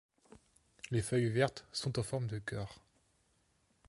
Les feuilles vertes sont en forme de cœur.